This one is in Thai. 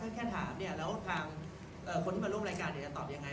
แค่ถามเนี่ยแล้วทางคนที่มาร่วมรายการจะตอบยังไง